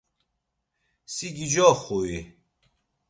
Si gicoxu-i?